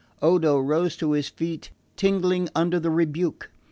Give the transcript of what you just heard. Odo rose to his feet, tingling under the rebuke.